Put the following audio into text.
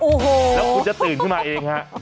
โอ้โหแล้วคุณจะตื่นขึ้นมาเองฮะ